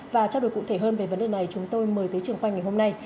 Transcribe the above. và trao đổi cụ thể hơn về vấn đề này chúng tôi mời tới trường quay ngày hôm nay